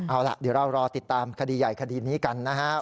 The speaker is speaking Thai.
เอาล่ะเดี๋ยวเรารอติดตามคดีใหญ่คดีนี้กันนะครับ